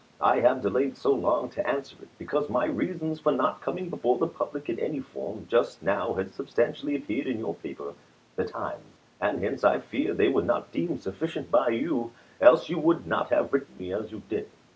I have delayed so long to answer it, because my reasons for not coming before the public in any form just now had sub stantially appeared in your paper (the " Times "), and hence I feared they were not deemed sufficient by you, else you would not have written me as you did.